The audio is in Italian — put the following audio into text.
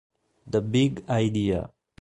The Big Idea